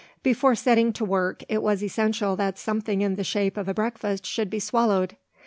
Before setting to work, it was essential that something in the shape of a breakfast should be swallowed.